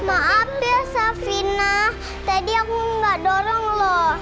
maaf deh safina tadi aku nggak dorong loh